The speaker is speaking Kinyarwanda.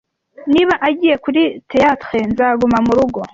Niba agiye kuri theatre, nzaguma murugo.